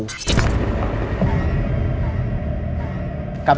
สวัสดีครับ